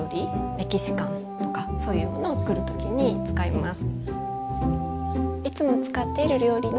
メキシカンとかそういうものをつくる時に使います。